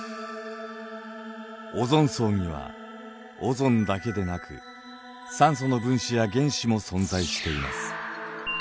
オゾン層にはオゾンだけでなく酸素の分子や原子も存在しています。